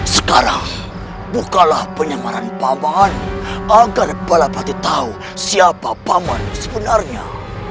sekarang bukalah penyamaran paman agar balapati tahu siapa paman sebenarnya